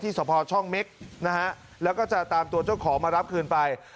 สะพอช่องเม็กนะฮะแล้วก็จะตามตัวเจ้าของมารับคืนไป